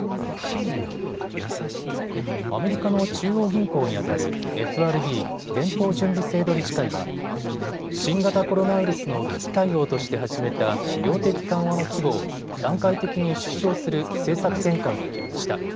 アメリカの中央銀行にあたるＦＲＢ・連邦準備制度理事会は新型コロナウイルスの危機対応として始めた量的緩和の規模を段階的に縮小する政策転換を決めました。